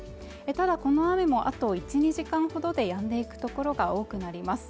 ただこの雨もあと１２時間ほどでやんでいく所が多くなります